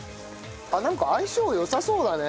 なんか相性良さそうだね。